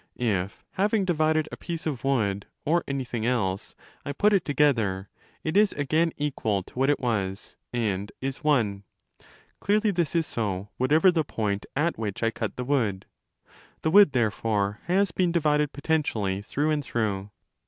If, having divided a piece of wood or anything else, I put it together, it is again equal to what it was, and is one. Clearly this is so, whatever the point at which I cut the wood. The wood, therefore, has been divided potentially through and through.